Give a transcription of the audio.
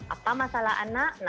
apa masalah anaknya